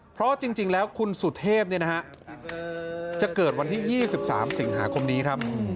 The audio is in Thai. เพราะจริงแล้วคุณสุเทพจะเกิดวันที่๒๓สิงหาคมนี้ครับ